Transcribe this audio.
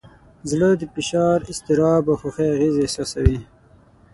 زړه د فشار، اضطراب، او خوښۍ اغېز احساسوي.